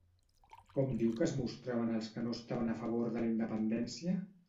Com diu que es mostraven els que no estaven a favor de la independència?